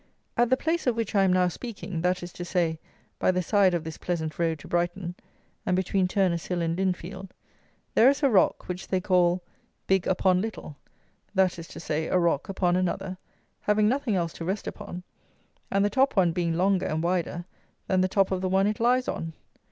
At the place of which I am now speaking, that is to say, by the side of this pleasant road to Brighton, and between Turner's Hill and Lindfield, there is a rock, which they call "Big upon Little;" that is to say, a rock upon another, having nothing else to rest upon, and the top one being longer and wider than the top of the one it lies on.